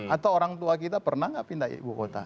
atau orang tua kita pernah tidak pindah ibukota